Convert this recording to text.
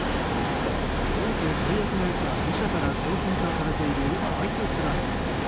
大手製薬会社２社から商品化されているアイススラリー。